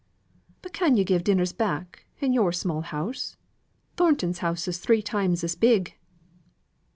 "But can yo' give dinners back, in yo're small house? Thornton's house is three times as big."